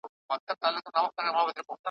ناخبره له خزانه نڅېدلای `